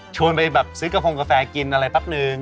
ชวนไปซื้อกระโพงกาแฟกินอะไรปั๊บนึง